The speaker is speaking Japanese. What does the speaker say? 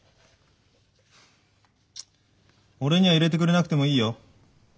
俺にはいれてくれなくてもいいよ。